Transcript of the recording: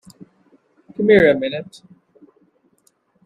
C'mere a minute.